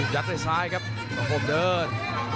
ยักษ์ในซ้ายครับสองคมเดิน